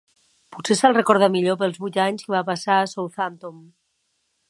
Potser se'l recorda millor pels vuit anys que va passar a Southampton.